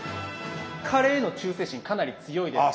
カレーへの忠誠心かなり強いですから。